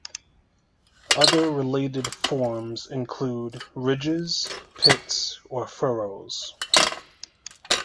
Other related forms include ridges, pits, or furrows.